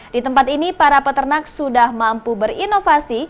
di tempat ini para peternak sudah mampu berinovasi